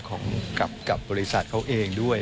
กับบริษัทเขาเองด้วย